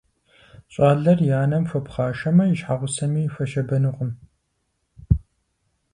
Щӏалэр и анэм хуэпхъашэмэ, и щхьэгъусэми хуэщабэнукъым.